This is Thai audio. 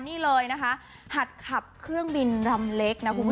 นี่เลยนะคะหัดขับเครื่องบินลำเล็กนะคุณผู้ชม